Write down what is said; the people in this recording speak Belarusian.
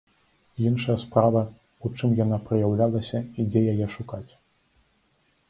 Іншая справа, у чым яна праяўлялася і дзе яе шукаць?